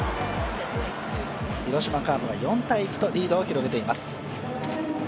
広島カープが４−１とリードを広げています。